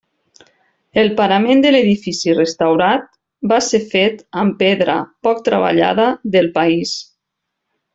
El parament de l'edifici restaurat va ser fet amb pedra poc treballada del país.